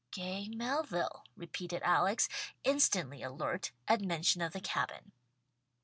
"Gay Melville," repeated Alex, instantly alert at mention of the cabin.